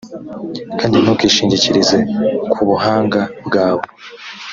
kandi ntukishingikirize ku buhanga bwawe